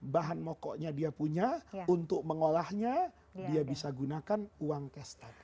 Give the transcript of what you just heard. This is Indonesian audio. bahan mokoknya dia punya untuk mengolahnya dia bisa gunakan uang kes tadi